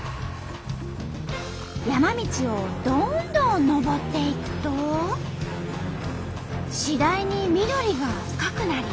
山道をどんどんのぼっていくと次第に緑が深くなり。